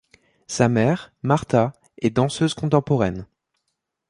Sa mère, Marta, est danseuse contemporaine.